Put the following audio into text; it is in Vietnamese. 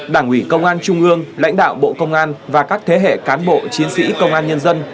đảng ủy công an trung ương lãnh đạo bộ công an và các thế hệ cán bộ chiến sĩ công an nhân dân